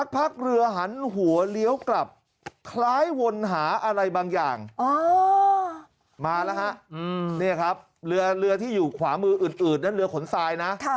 มาแล้วครับเรือที่อยู่ขวามืออืดนั่นเรือขนทรายนะ